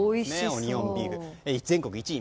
オニオンビーフ、全国１位。